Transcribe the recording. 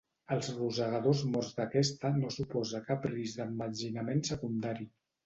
Els rosegadors morts d'aquesta no suposa cap risc d'emmetzinament secundari.